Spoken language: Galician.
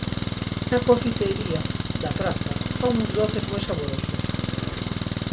Na confeitería da praza fan uns doces moi saborosos.